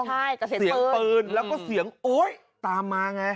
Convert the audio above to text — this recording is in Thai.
ใช่กระเศษปืนเสียงปืนแล้วก็เสียงโอ๊ยตามมาไง